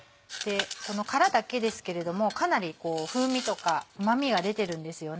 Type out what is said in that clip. この殻だけですけれどもかなり風味とかうま味が出てるんですよね。